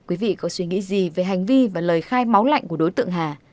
quý vị có suy nghĩ gì về hành vi và lời khai máu lạnh của đối tượng hà